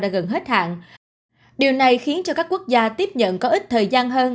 đã gần hết hạn điều này khiến cho các quốc gia tiếp nhận có ít thời gian hơn